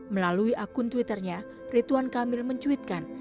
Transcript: melalui akun twitternya rituan kamil mencuitkan